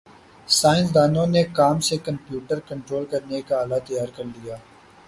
سائنسدانوں نے کام سے کمپیوٹر کنٹرول کرنے کا آلہ تیار کرلیا